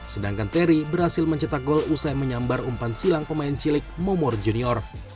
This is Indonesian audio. sedangkan terry berhasil mencetak gol usai menyambar umpan silang pemain cilik nomor junior